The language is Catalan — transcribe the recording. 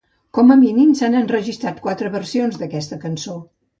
Com a mínim, s'han enregistrat quatre versions d'aquesta cançó.